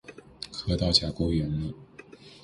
磕到甲沟炎了！